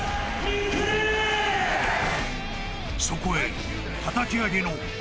［そこへ］